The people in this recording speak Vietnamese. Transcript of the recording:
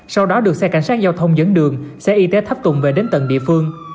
sau đó được xe cảnh sát giao thông dẫn đường xe y tế thắp tùng về đến tận địa phương